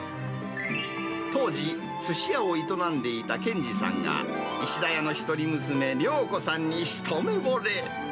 当時、すし屋を営んでいた憲司さんが、石田屋の一人娘、涼子さんに一目ぼれ。